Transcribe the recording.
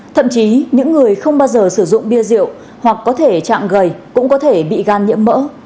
thậm chí những người không bao giờ sử dụng bia rượu hoặc có thể chạm gầy cũng có thể bị gan nhiễm mỡ